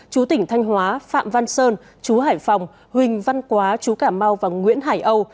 chú tỉnh thanh hóa phạm văn sơn chú hải phòng huỳnh văn quá chú cảm mau và nguyễn hải âu